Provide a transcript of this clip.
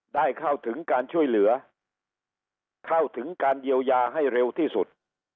ได้เข้าถึงการช่วยเหลือเข้าถึงการเยียวยาให้เร็วที่สุด